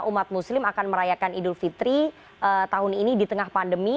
umat muslim akan merayakan idul fitri tahun ini di tengah pandemi